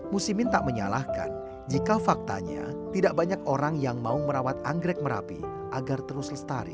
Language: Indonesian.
musimin tak menyalahkan jika faktanya tidak banyak orang yang mau merawat anggrek merapi agar terus lestari